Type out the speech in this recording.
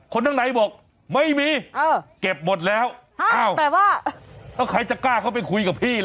คนทั้งในบอกไม่มีเออเก็บหมดแล้วฮะแปลว่าแล้วใครจะกล้าเข้าไปคุยกับพี่หรอ